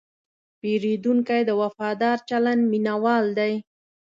پیرودونکی د وفادار چلند مینهوال دی.